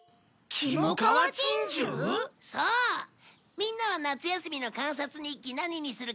みんなは夏休みの観察日記何にするか決めた？